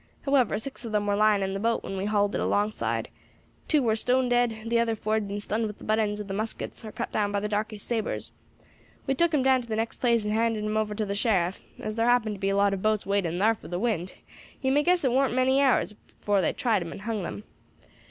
However, six of them war lying in the boat when we hauled it alongside; two war stone dead, the other four had been stunned with the butt ends of the muskets, or cut down by the darkies' sabres. We took 'em down to the next place and handed 'em over to the sheriff; and as thar happened to be a lot of boats waiting thar for the wind, you may guess it warn't many hours afore they tried and hung 'em.